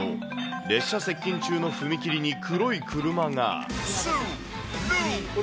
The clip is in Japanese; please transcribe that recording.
列車接近中の踏切に黒い車が。